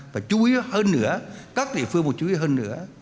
phải chú ý hơn nữa các địa phương phải chú ý hơn nữa